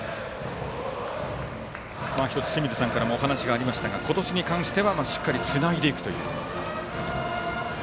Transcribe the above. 清水さんからもお話がありましたが今年に関してはしっかり、つないでいくという。